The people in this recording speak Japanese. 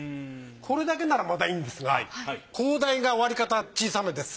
これだけならまだいいんですが高台がわりかた小さめです。